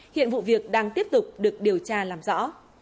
hiện vụ việc đang tiếp tục được điều tra làm rõ